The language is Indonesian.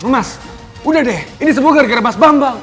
mas udah deh ini semoga gara gara mas bambang